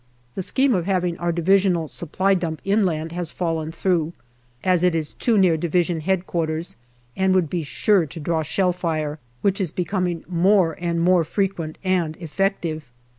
The scheme of having our divisional Supply dump inland has fallen through, as it is too near D.H.Q. and would be sure to draw shell fire, which is becoming more and more frequent and effective.